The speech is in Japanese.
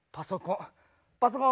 パソコン。